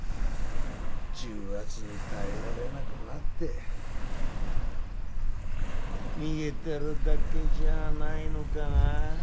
重圧に耐えられなくなって逃げてるだけじゃあないのかなあ。